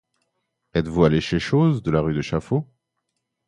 Êtes-vous allé chez chose, de la rue de Chaffaut?